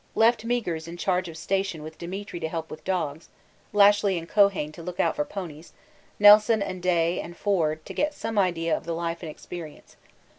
Left Meares in charge of station with Demetri to help with dogs, Lashly and Keohane to look out for ponies, Nelson and Day and Forde to get some idea of the life and experience.